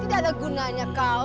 tidak ada gunanya kau